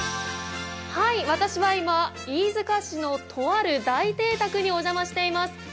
私は今、飯塚市のとある大邸宅にお邪魔しています。